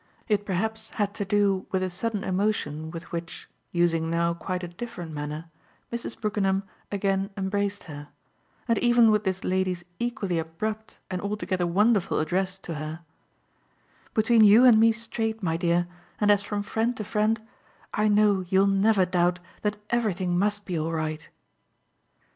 It perhaps had to do with the sudden emotion with which using now quite a different manner Mrs. Brookenham again embraced her, and even with this lady's equally abrupt and altogether wonderful address to her: "Between you and me straight, my dear, and as from friend to friend, I know you'll never doubt that everything must be all right!